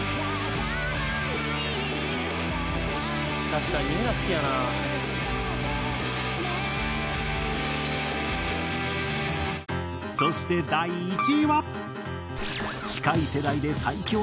「確かにみんな好きやな」そして第１位は。